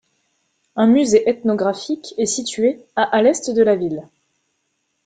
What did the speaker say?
Un musée ethnographique est situé à à l'est de la ville.